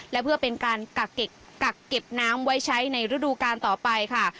และเพื่อเป็นการกักเก็บน้ำไว้ใช้ในฤดูการต่อไปค่ะ